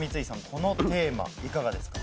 このテーマいかがですか？